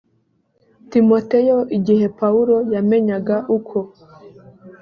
timoteyo igihe pawulo yamenyaga uko